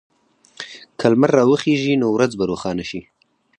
که لمر راوخېژي، نو ورځ به روښانه شي.